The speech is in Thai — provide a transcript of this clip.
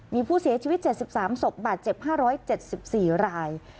มีผู้เสียชีวิต๗๓ศพบาดเจ็บ๕๗๔ราย